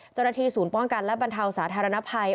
เจ้าหน้าที่ศูนย์ป้องกันและบรรเทาสาธารณภัย